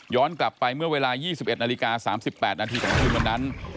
กลับไปเมื่อเวลา๒๑นาฬิกา๓๘นาทีของคืนวันนั้น